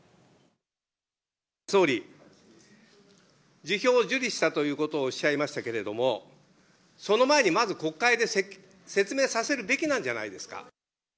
総理、辞表を受理したということをおっしゃいましたけれども、その前にまず、国会で説明させるべきなんじゃないですか。